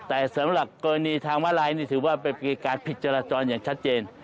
แต่สำหรับกรณีทางมาลัยนี่ถือว่าเป็นการผิดจราจรอย่างชัดเจน